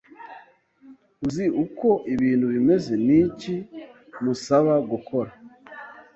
Uzi uko ibintu bimeze. Ni iki musaba gukora?